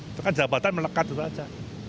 itu kan jabatan melekat itu saja